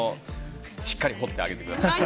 しっかり掘ってあげてください。